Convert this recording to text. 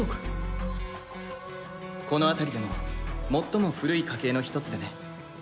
この辺りでも最も古い家系の一つでね。